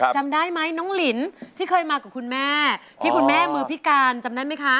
จำได้ไหมน้องลินที่เคยมากับคุณแม่ที่คุณแม่มือพิการจำได้ไหมคะ